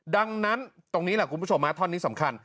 ดังนั้นตรงนี้แหละคุณผู้ชมท่อนนี้สำคัญ